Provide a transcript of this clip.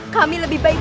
kami lebih baik